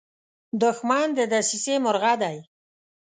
دښمن د دسیسې مرغه دی